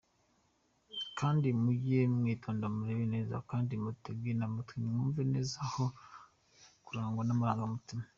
Kandi mujye mwitonda murebe neza kandi mutege namatwi mwumve neza aho kurangwa namarangamutima.